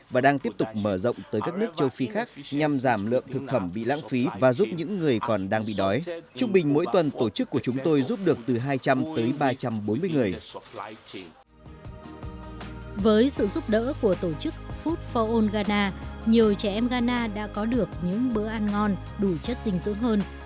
với sự giúp đỡ của tổ chức food for all ghana nhiều trẻ em ghana đã có được những bữa ăn ngon đủ chất dinh dưỡng hơn